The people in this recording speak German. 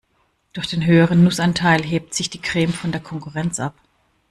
Durch den höheren Nussanteil hebt sich die Creme von der Konkurrenz ab.